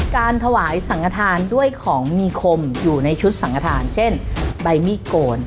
การถวายสังกระทานด้วยของมีคมอยู่ในชุดสังฆฐานเช่นใบมีดโกน